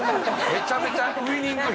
めちゃめちゃウイニング変な空気。